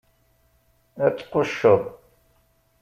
Ad tqucceḍ!